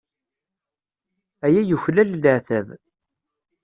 Aya yuklal leɛtab.